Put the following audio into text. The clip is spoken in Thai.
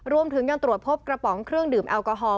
รวมถึงยังตรวจพบกระป๋องเครื่องดื่มแอลกอฮอล